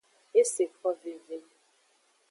Eseko veve.